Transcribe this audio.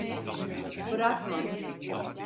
Bırakma!